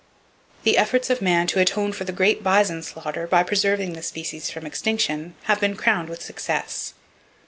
The efforts of man to atone for the great bison slaughter by preserving the species from extinction have been crowned with success.